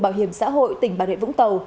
bảo hiểm xã hội tỉnh bà rệ vũng tàu